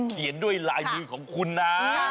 เขียนด้วยลายมือของคุณนะ